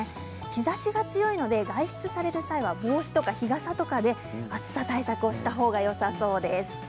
日ざしが強いので外出される際は帽子や日傘で暑さ対策をしたほうがよさそうです。